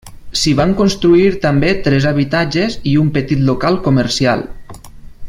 S'hi van construir també tres habitatges i un petit local comercial.